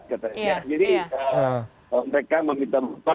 jadi mereka meminta tuhan